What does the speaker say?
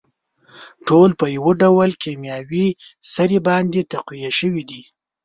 ټول په يوه ډول کيمياوي سرې باندې تقويه شوي دي.